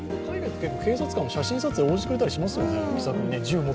警察官も写真撮影に応じてくれたりしますよね。